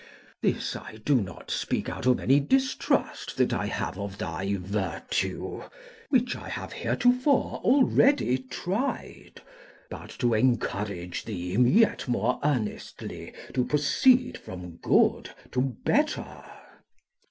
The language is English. This I do not speak out of any distrust that I have of thy virtue, which I have heretofore already tried, but to encourage thee yet more earnestly to proceed from good to better.